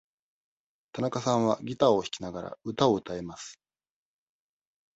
田中さんはギターを弾きながら、歌を歌えます。